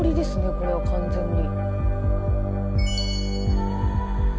これは完全に。